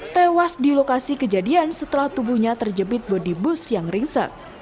tewas di lokasi kejadian setelah tubuhnya terjepit bodi bus yang ringsek